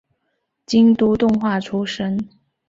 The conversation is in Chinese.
京都动画出身。